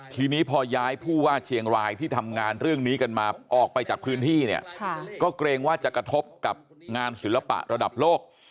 ทีนี้พอย้ายผู้ว่าเชียงรายที่ทำงานเรื่องนี้กันมาออกไปจากพื้นที่เนี่ยก็เกรงว่าจะกระทบกับงานศิลปะระดับโลก